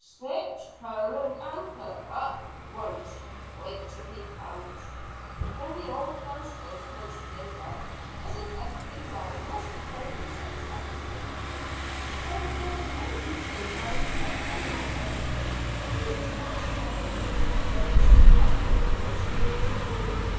"Ipswich. Crown and Anchor. At once. Wait till he comes." Then the old man's countenance cleared up, as if everything now must be perfectly satisfactory. "Oh there is no use in trying to get any more out of him he is too much fuddled," said Mistress Putnam impatiently.